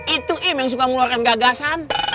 itu im yang suka mengeluarkan gagasan